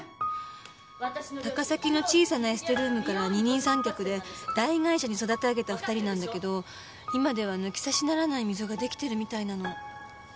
高崎の小さなエステルームから二人三脚で大会社に育て上げた２人なんだけど今では抜き差しならない溝ができているみたいなの。